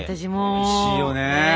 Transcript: おいしいよね！ね。